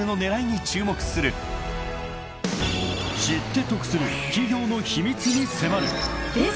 ［知って得する企業の秘密に迫る］